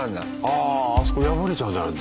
ああそこ破れちゃうじゃない。